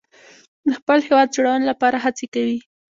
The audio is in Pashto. د خپل هیواد جوړونې لپاره هڅې کوي.